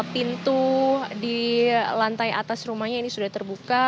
pintu di lantai atas rumahnya ini sudah terbuka